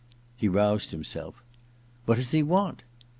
He roused himself. •What does he want